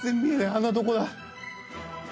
穴どこだ？